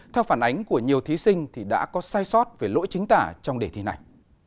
theo phản ánh của nhiều thí sinh thì đã có sai sót về lỗi chính tả trong đề thi này